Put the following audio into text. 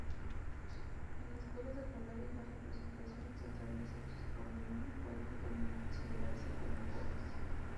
En la escuela secundaria, las representaciones teatrales hechas por Dean pueden considerarse como pobres.